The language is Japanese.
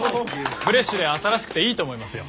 フレッシュで朝らしくていいと思いますよ。